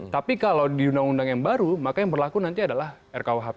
tapi kalau di undang undang yang baru maka yang berlaku nanti adalah rkuhp